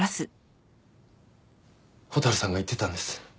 蛍さんが言ってたんです。